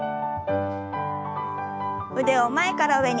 腕を前から上に。